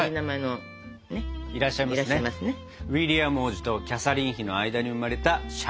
ウィリアム王子とキャサリン妃の間に生まれたシャーロット王女ですね。